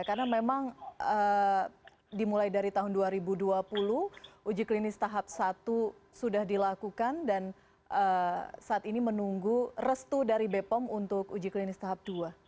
karena memang dimulai dari tahun dua ribu dua puluh uji klinis tahap satu sudah dilakukan dan saat ini menunggu restu dari bepom untuk uji klinis tahap dua